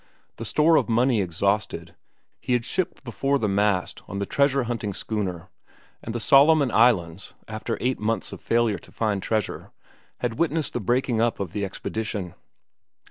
His store of money exhausted, he had shipped before the mast on the treasure hunting schooner; and the Solomon Islands, after eight months of failure to find treasure, had witnessed the breaking up of the expedition.